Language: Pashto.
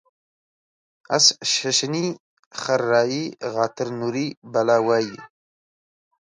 اس ششني ، خر رایي غاتر نوري بلا وایي.